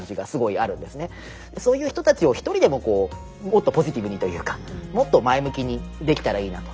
そういう人たちを一人でももっとポジティブにというかもっと前向きにできたらいいなと。